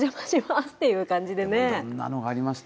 いろんなのありました。